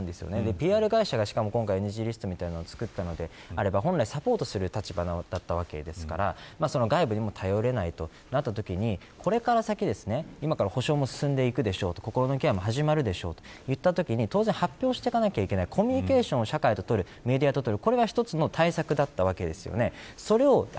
ＰＲ会社がＮＧリストを作ったのであれば本来サポートする立場だったわけですから外部にも頼れないとなったときにこれから先今から補償も進んでいく心のケアも始まるというときに当然発表していかなきゃいけないコミュニケーションを社会ととるメディアととる。